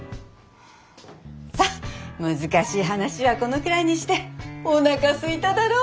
さっ難しい話はこのくらいにしておなかすいただろ？